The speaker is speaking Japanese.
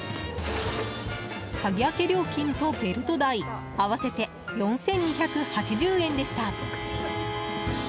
鍵開け料金とベルト代合わせて４２８０円でした。